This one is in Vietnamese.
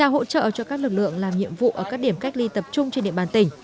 trao hỗ trợ cho các lực lượng làm nhiệm vụ ở các điểm cách ly tập trung trên địa bàn tỉnh